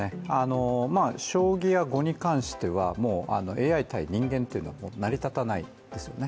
将棋や碁に関しては、ＡＩ対人間というのはもう成り立たないですよね